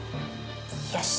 よし。